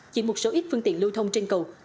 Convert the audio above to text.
chỉ một số ít phương tiện lưu thông trên cầu